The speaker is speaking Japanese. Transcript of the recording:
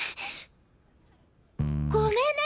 ごめんね！